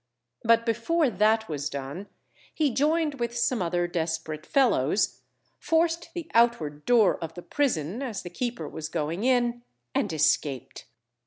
But before that was done, he joined with some other desperate fellows, forced the outward door of the prison as the keeper was going in and escaped.